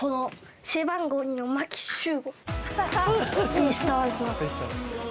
ベイスターズの。